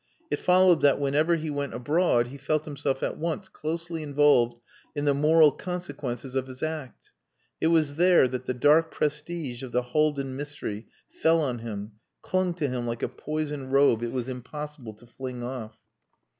it followed that whenever he went abroad he felt himself at once closely involved in the moral consequences of his act. It was there that the dark prestige of the Haldin mystery fell on him, clung to him like a poisoned robe it was impossible to fling off.